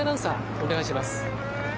お願いします。